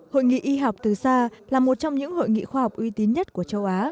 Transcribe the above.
hội nghị y học từ xa là một trong những hội nghị khoa học uy tín nhất của châu á